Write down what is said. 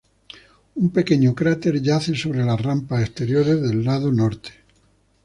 Un pequeño cráter yace sobre las rampas exteriores del lado norte.